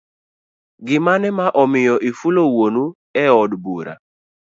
gimane ma omiyo ifulo wuonu e od bura.